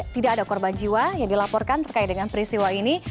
tidak ada korban jiwa yang dilaporkan terkait dengan peristiwa ini